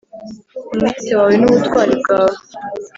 umwete wawe, n’ubutwari bwawe,